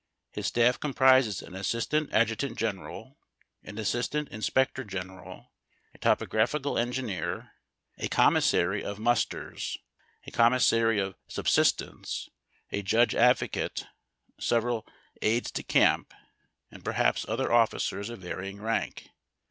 His staff comprises an assistant adjutant general, an as sistant inspector general, a topographical engineer, a com missary of musters, a commissary of subsistence, a judge advocate, several aides de camp — and perhaps other officers, of varying rank.